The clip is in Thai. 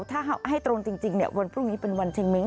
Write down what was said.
ถ้าให้ตรงจริงวันพรุ่งนี้เป็นวันชิงมิ้ง